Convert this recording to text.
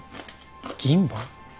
銀歯？